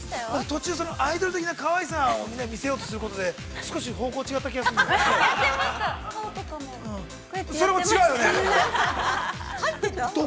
◆途中、アイドル的なかわいさを見せようとすることで少し方向が違った気がするんだけど。